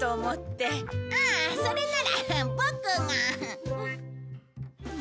ああそれならボクが！